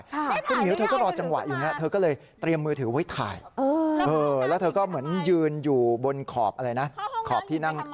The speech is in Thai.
คุณหมิ๋วเธอก็รอจะอยู่อย่างนั้น